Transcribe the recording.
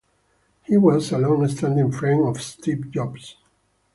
He was a long-standing friend of Steve Jobs.